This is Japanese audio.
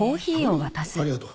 ありがとう。